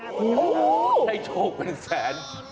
โอ้โหได้โชคเป็นแสน